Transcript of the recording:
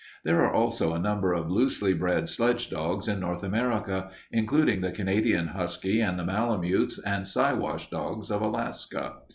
"There are also a number of loosely bred sledge dogs in North America, including the Canadian husky and the malamutes and Siwash dogs of Alaska.